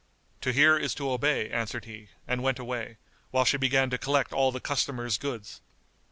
"To hear is to obey," answered he and went away, while she began to collect all the customers' goods.